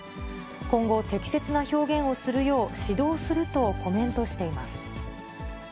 今後、適切な表現をするよう指導するとコメントしています。